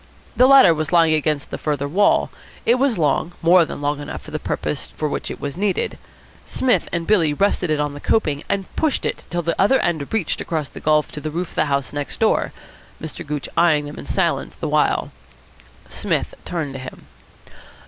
The ladder was lying against the farther wall. It was long, more than long enough for the purpose for which it was needed. Psmith and Billy rested it on the coping, and pushed it till the other end reached across the gulf to the roof of the house next door, Mr. Gooch eyeing them in silence the while. Psmith turned to him.